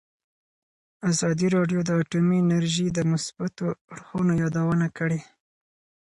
ازادي راډیو د اټومي انرژي د مثبتو اړخونو یادونه کړې.